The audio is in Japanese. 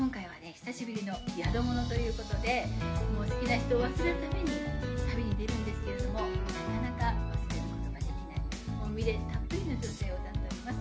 久しぶりの宿ものということでもう好きな人を忘れるために旅に出るんですけれどもなかなか忘れることができないもう未練たっぷりの女性を歌っております